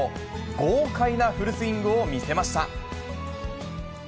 豪快なフルスイングを見せました。